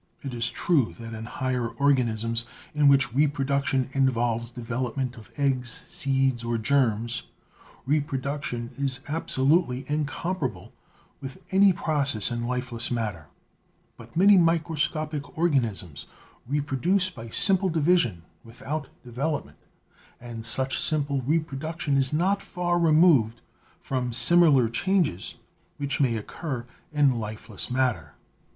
It is true that in higher organisms in which reproduction involves develop ment of eggs, seeds or germs, reproduction is absolutely incomparable with any process in lifeless matter, but many microscopic organisms reproduce by simple division with out development, and such simple reproduction is not far removed from similar changes which may occur in lifeless matter.